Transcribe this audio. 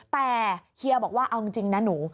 แต่เฮียบอกว่าเอาจริงนะหนู